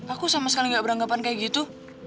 aku sama sekali gak beranggapan kayak gitu